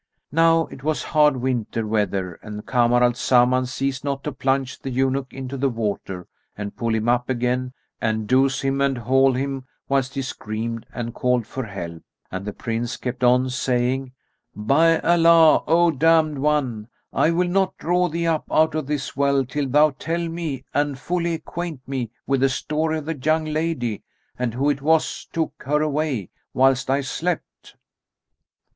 Now it was hard winter weather, and Kamar al Zaman ceased not to plunge the eunuch into the water and pull him up again and douse him and haul him whilst he screamed and called for help; and the Prince kept on saying "By Allah, O damned one, I will not draw thee up out of this well till thou tell me and fully acquaint me with the story of the young lady and who it was took her away, whilst I slept."